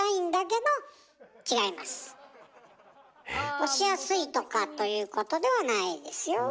押しやすいとかということではないですよ。